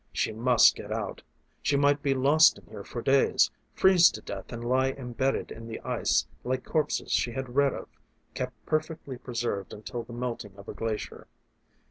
She must get out. She might be lost in here for days, freeze to death and lie embedded in the ice like corpses she had read of, kept perfectly preserved until the melting of a glacier.